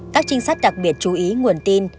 các trinh sát đặc biệt chú ý nguồn tin